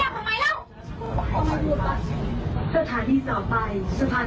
ทำไมเป็นคนแบบนี้ล่ะคนนี้คือใคร